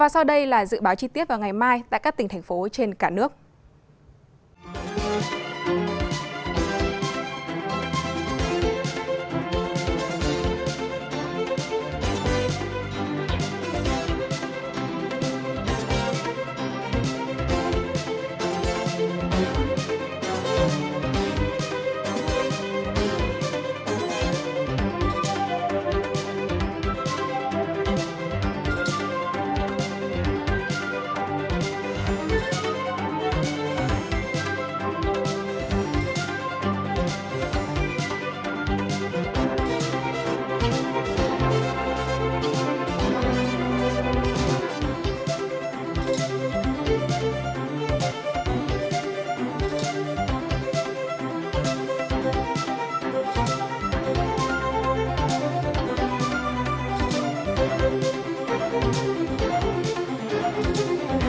các bạn hãy đăng ký kênh để ủng hộ kênh của chúng mình nhé